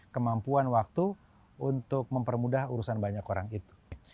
kemampuan waktu untuk mempermudah urusan banyak orang itu